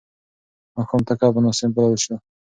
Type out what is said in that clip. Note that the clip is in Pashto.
ماښام ته کب مناسب بلل شو.